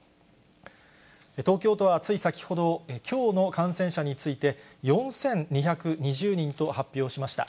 東京都はつい先ほど、きょうの感染者について、４２２０人と発表しました。